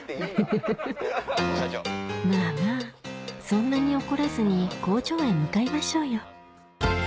そんなに怒らずに工場へ向かいましょうよ